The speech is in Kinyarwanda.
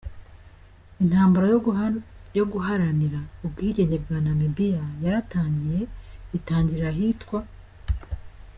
Intambara yo guharanira ubwigenge bwa Namibiya yaratangiye, itangirira ahitwa.